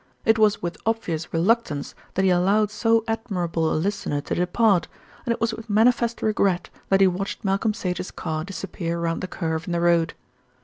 It was with obvious reluctance that he allowed so admirable a listener to depart, and it was with manifest regret that he watched Malcolm Sage's car disappear round the curve in the road.